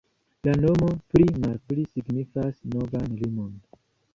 La nomo pli-malpli signifas "novan limon".